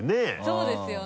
そうですよね。